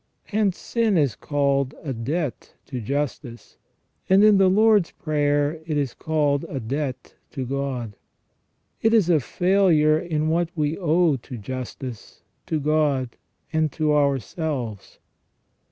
Hence sin is called a debt to justice, and in the Lord's Prayer it is called a debt to God. It is a failure in what we owe to justice, to God, and to ourselves.